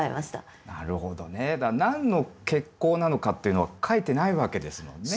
なるほどね。何の決行なのかっていうのは書いてないわけですもんね。